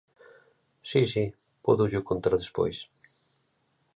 Si, si, pódollo contar despois.